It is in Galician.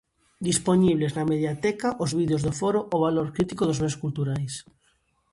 Dispoñibles na Mediateca os vídeos do foro "O valor crítico dos bens culturais".